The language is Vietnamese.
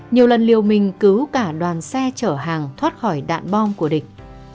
nhiều lần liều mình cứu cả đoàn xe chở hàng thoát khỏi đạn bom của địch